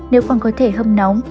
nếu còn có thể hâm nóng